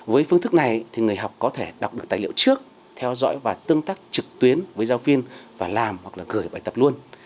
với phương thức này thì người học có thể đọc được tài liệu trước theo dõi và tương tác trực tuyến với giáo viên và làm hoặc là gửi bài tập luôn